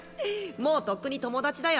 もうとっくに友達だよ。